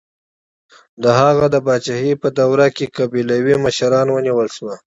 د هغه د پاچاهۍ په دوره کې قبیلوي مشران ونیول شول.